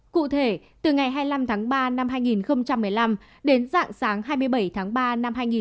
cụ thể từ ngày hai mươi năm tháng ba năm hai nghìn một mươi năm đến dạng sáng hai mươi bảy tháng ba